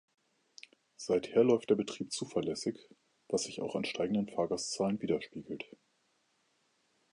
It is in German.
Seither läuft der Betrieb zuverlässig, was sich auch in steigenden Fahrgastzahlen widerspiegelt.